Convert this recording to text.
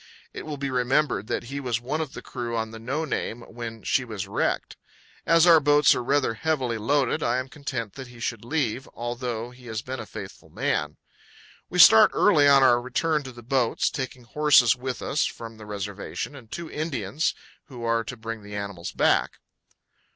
It will be remembered that he was one of the crew on the "No Name" when she was wrecked. As our boats are rather heavily loaded, I am content that he should leave, although he has been a faithful man. We start early on our return to the boats, taking horses with us from the reservation, and two Indians, who are to bring the animals back.